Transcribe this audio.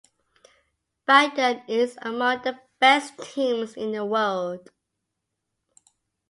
Bayern is among the best teams in the world.